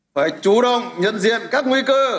phải chủ động nhận diện các nguy cơ